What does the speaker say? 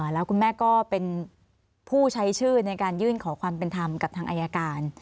แล้วคุณแม่ก็เป็นผู้ใช้ชื่อในการยื่นขอความเป็นธรรมกับทางอายการ